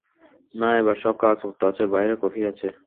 না, এবার সব কাগজপত্র আছে, বাইরে কপি আছে।